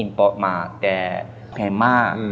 อินโปรดมาแต่เผ็ดมาก